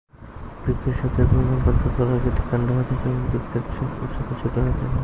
বৃক্ষের সাথে এর প্রধান পার্থক্য হল এর একাধিক কাণ্ড হয়ে থাকে এবং বৃক্ষের চেয়ে উচ্চতায় ছোট হয়ে থাকে।